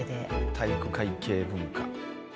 体育会系文化。